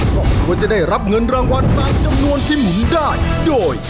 ครอบครัวจะได้รับเงินรางวัลตามจำนวนที่หมุนได้โดย